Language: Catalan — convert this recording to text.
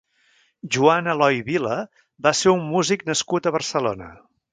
Joan Eloi Vila va ser un músic nascut a Barcelona.